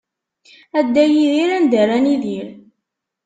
A Dda Yidir anda ara nidir?